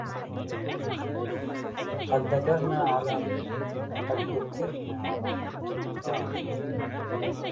قد ذكرناكم على بعد المزار